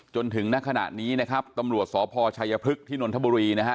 จนถึงณขณะนี้นะครับตำรวจสพชัยพฤกษ์ที่นนทบุรีนะฮะ